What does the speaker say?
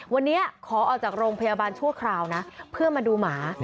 วันนี้ขอออกจากโรงพยาบาลชั่วคราวนะเพื่อมาดูหมา